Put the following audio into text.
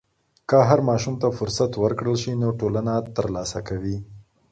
که هر ماشوم ته فرصت ورکړل سي، نو ټولنه ترلاسه کوي.